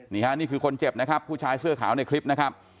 นี่ค่ะนี่คือคนเจ็บนะครับผู้ชายเสื้อขาวในคลิปนะครับ